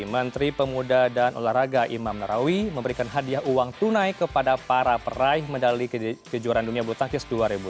menteri pemuda dan olahraga imam narawi memberikan hadiah uang tunai kepada para peraih medali kejuaraan dunia bulu tangkis dua ribu dua puluh